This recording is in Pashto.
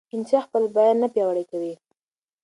انشا خپل بیان نه پیاوړی کوي.